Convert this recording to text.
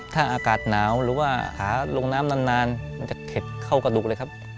ถ้าอากาศหนาวหรือว่าหาลงน้ำนานมันจะเข็ดเข้ากระดูกเลยครับ